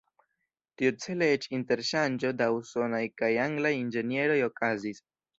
Tiucele eĉ interŝanĝo da usonaj kaj anglaj inĝenieroj okazis.